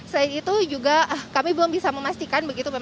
selain itu juga kami belum bisa memastikan begitu